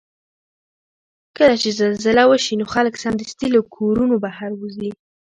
کله چې زلزله وشي نو خلک سمدستي له کورونو بهر وځي.